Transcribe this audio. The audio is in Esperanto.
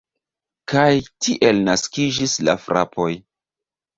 Kaj tiel naskiĝis la frapoj.